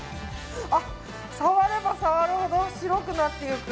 あ、触れば触るほど白くなっていく。